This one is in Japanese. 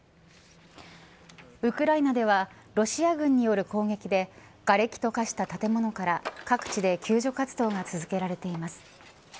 ウクライナではロシア軍による攻撃でがれきと化した建物から各地で救助活動が続けられています。